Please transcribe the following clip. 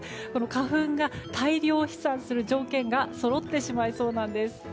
花粉が大量飛散する条件がそろってしまいそうなんです。